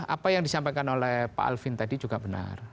apa yang disampaikan oleh pak alvin tadi juga benar